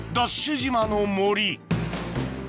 島の森